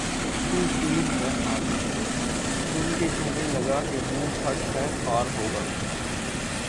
تو پیر مے خانہ سن کے کہنے لگا کہ منہ پھٹ ہے خار ہوگا